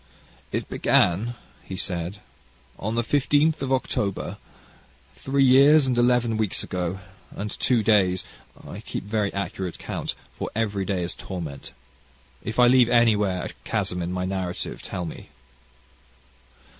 "It began," he said, "on the 15th of October, three years and eleven weeks ago, and two days I keep very accurate count, for every day is torment. If I leave anywhere a chasm in my narrative tell me.